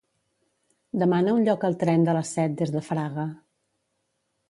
Demana un lloc al tren de les set des de Fraga.